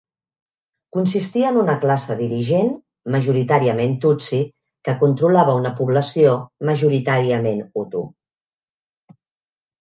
Consistia en una classe dirigent majoritàriament tutsi que controlava una població majoritàriament hutu.